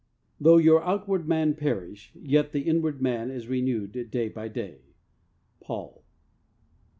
Though our outward man perish, yet the in ward man is renewed day by day. — Paul.